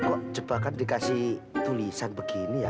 kok jebakan dikasih tulisan begini ya